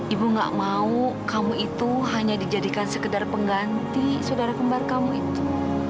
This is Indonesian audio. ibu gak mau kamu itu hanya dijadikan sekedar pengganti saudara kembar kamu itu